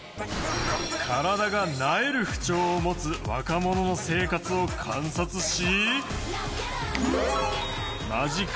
体がなえる不調を持つ若者の生活を観察し。